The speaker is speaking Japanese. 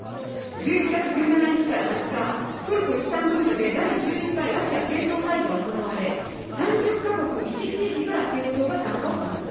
１１月１７日から２０日、トルコ・イスタンブールで第１１回アジアせいとう会議が行われ、３０か国１地域から政党が参加をしました。